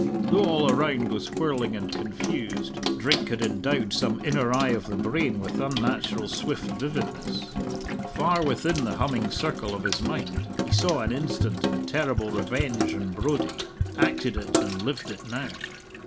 Though all around was whirling and confused, drink had endowed some inner eye of the brain with unnatural swift vividness. Far within the humming circle of his mind he saw an instant and terrible revenge on Brodie, acted it, and lived it now.